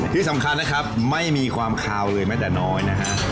ที่สำคัญนะครับไม่มีความคาวเลยแม้แต่น้อยนะฮะ